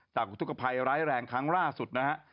อุทธกภัยร้ายแรงครั้งล่าสุดนะฮะ